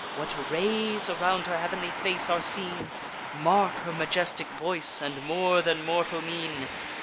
What rays around her heav'nly face are seen! Mark her majestic voice, and more than mortal mien!